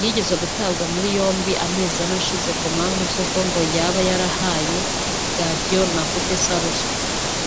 yigeze gutabwa muri yombi amezi ane ashize ku mpamvu z’uko ngo yaba yarahaye Gadio na Kutesa ruswa